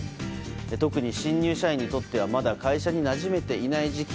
特に新入社員にとってはまだ会社になじめていない時期。